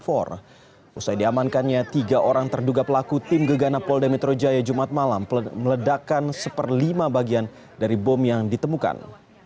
setelah diamankannya tiga orang terduga pelaku tim gegana polda metro jaya jumat malam meledakan satu per lima bagian dari bom yang ditemukan